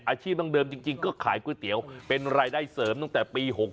ดั้งเดิมจริงก็ขายก๋วยเตี๋ยวเป็นรายได้เสริมตั้งแต่ปี๖๖